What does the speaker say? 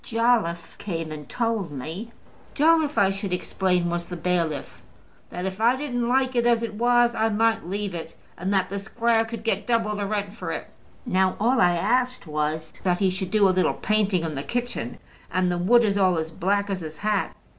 "Jolliffe came and told me" Jolliffe, I should explain, was the bailiff, "that if I didn't like it as it was, I might leave it, and that the squire could get double the rent for it. Now all I asked was that he should do a little painting in the kitchen; and the wood is all as black as his hat."